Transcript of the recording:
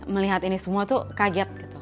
melihat ini semua tuh kaget gitu